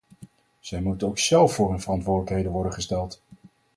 Zij moeten ook zélf voor hun verantwoordelijkheden worden gesteld.